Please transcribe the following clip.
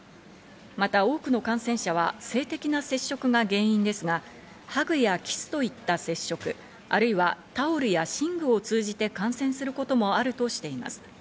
また多くの感染者は性的な接触が原因ですが、ハグやキスといった接触、あるいはタオルや寝具を通じて感染することもあるとしています。